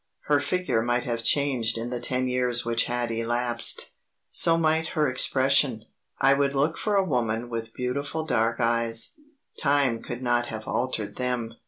Her figure might have changed in the ten years which had elapsed; so might her expression. I would look for a woman with beautiful dark eyes; time could not have altered them.